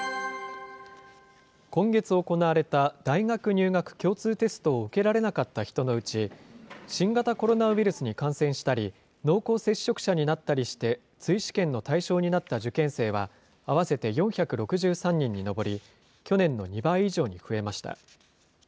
今月行われた大学入学共通テストを受けられなかった人のうち、新型コロナウイルスに感染したり、濃厚接触者になったりして追試験の対象になった受験生は合わせて４６３人に上り、去年の２倍以上に増えました。